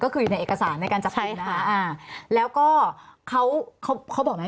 ก็คืออยู่ในเอกสารในการจับกลุ่มนะคะอ่าแล้วก็เขาเขาเขาบอกไหม